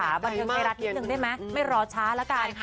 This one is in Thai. บันเทียมให้รัฐนี้หนึ่งด้วยไหมไม่รอช้าแล้วกัน